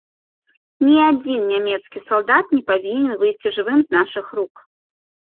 Ні адзін нямецкі салдат не павінен выйсці жывым з нашых рук!